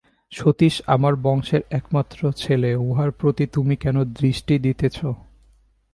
সতীশ আমার বংশের একমাত্র ছেলে, উহার প্রতি তুমি কেন দৃষ্টি দিতেছ।